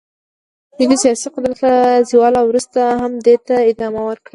دوی د سیاسي قدرت له زوال وروسته هم دې ته ادامه ورکړه.